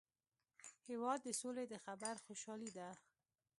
هېواد د سولي د خبر خوشالي ده.